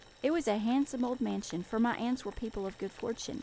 It was a handsome old mansion, for my aunts were people of good fortune.